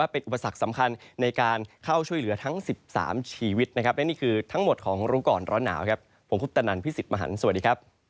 โปรดติดตามตอนต่อไป